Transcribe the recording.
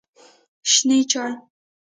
شنې چای